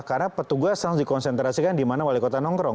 karena petugas harus dikonsentrasikan di mana wali kota nongkrong